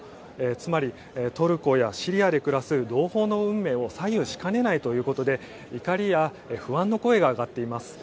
つまりトルコやシリアで暮らす同朋の運命を左右しかねないということで怒りや不安の声が上がっています。